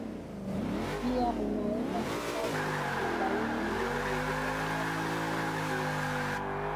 pia unaweza kupatwa na dalili nyingine zitokanazo na homa hizi